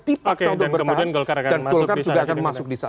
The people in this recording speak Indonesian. dan kemudian golkar akan masuk